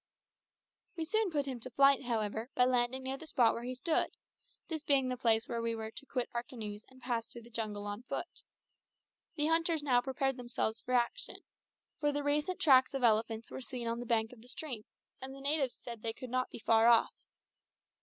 We soon put him to flight, however, by landing near the spot where he stood, this being the place where we were to quit our canoes and pass through the jungle on foot. The hunters now prepared themselves for action, for the recent tracks of elephants were seen on the bank of the stream, and the natives said they could not be far off.